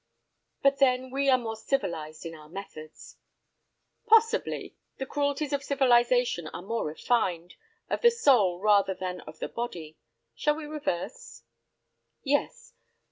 "But then we are more civilized in our methods." "Possibly. The cruelties of civilization are more refined, of the soul rather than of the body. Shall we reverse?" "Yes.